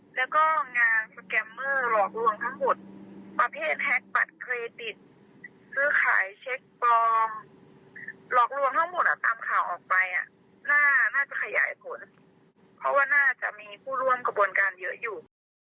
เพราะว่าน่าจะมีผู้ร่วมกระบวนการเยอะอยู่